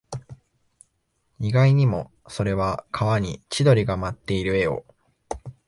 意外にも、それは川に千鳥が舞っている絵を